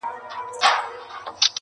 دا نامرده چي په ځان داسي غره دی,